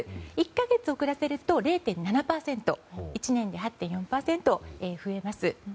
１か月遅らせると０．７％１年で８．４％増えます。